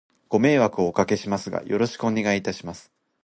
ご迷惑をお掛けしますが、よろしくお願いいたします。